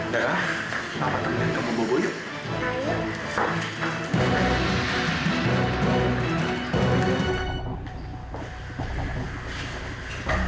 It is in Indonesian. dara apa teman kamu bobo yuk